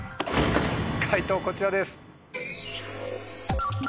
解答こちらです。